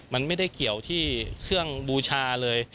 มันไม่ได้เกี่ยวที่เครื่องบูชาเลย